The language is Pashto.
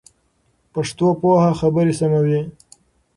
پښتو پوهه خبري سموي.